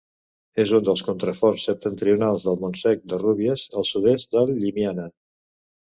És un dels contraforts septentrionals del Montsec de Rúbies, al sud-est de Llimiana.